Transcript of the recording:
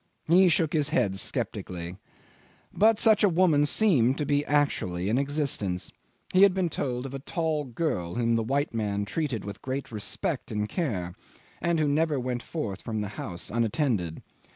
He shook his head sceptically. But such a woman seemed to be actually in existence. He had been told of a tall girl, whom the white man treated with great respect and care, and who never went forth from the house unattended.